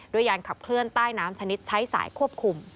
ยานขับเคลื่อนใต้น้ำชนิดใช้สายควบคุม